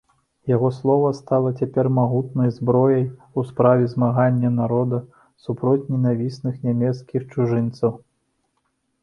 Яго слова стала цяпер магутнай зброяй у справе змагання народа супроць ненавісных нямецкіх чужынцаў.